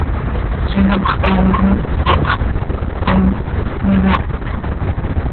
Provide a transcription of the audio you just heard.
Ziix hapx coom com hapx toom, yamác.